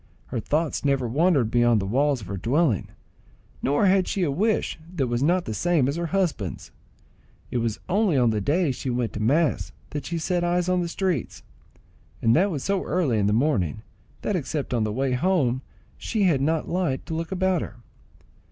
Her thoughts never wandered beyond the walls of her dwelling, nor had she a wish that was not the same as her husband's. It was only on the days she went to mass that she set eyes on the streets, and that was so early in the morning, that except on the way home she had not light to look about her.